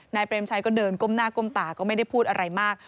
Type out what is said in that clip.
เปรมชัยก็เดินก้มหน้าก้มตาก็ไม่ได้พูดอะไรมาก